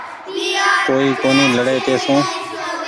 ڪوئي ڪونيٚ لهڙي تيسون